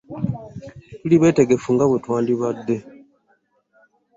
Tetuli beetegefu nga bwe twandibadde.